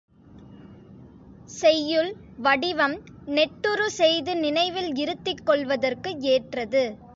செய்யுள் வடிவம், நெட்டுரு செய்து நினைவில் இருத்திக் கொள்வதற்கு ஏற்றது.